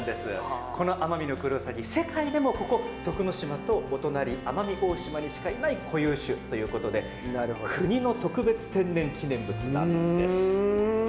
このアマミノクロウサギ世界でも、ここ徳之島とお隣の奄美大島にしかいない固有種ということで国の特別天然記念物なんです。